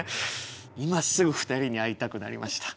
今すぐ２人に会いたくなりました。